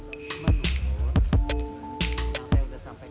tidak mungkin kita bisa tergolong seluruh indonesia yang menyaksikan harga ini